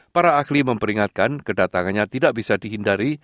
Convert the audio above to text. para ahli memperingatkan kedatangannya tidak bisa dihindari